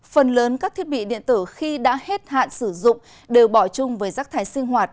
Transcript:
phần lớn các thiết bị điện tử khi đã hết hạn sử dụng đều bỏ chung với rác thải sinh hoạt